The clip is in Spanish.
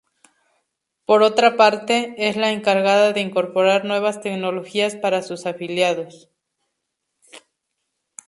Por otra parte, es la encargada de incorporar nuevas tecnologías para sus afiliados.